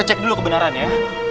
kita cek dulu kebenaran ya